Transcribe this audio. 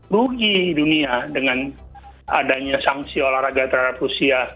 rugi dunia dengan adanya sanksi olahraga terhadap rusia